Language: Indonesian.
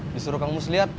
disuruh kang muslihat